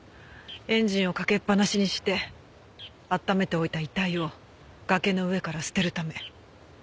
エンジンをかけっぱなしにして温めておいた遺体を崖の上から捨てるため。